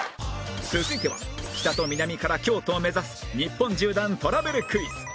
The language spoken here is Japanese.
続いては北と南から京都を目指す日本縦断トラベルクイズ